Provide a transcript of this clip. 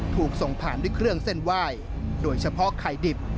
ถูกส่งผ่านด้วยเครื่องเส้นไหว้โดยเฉพาะไข่ดิบ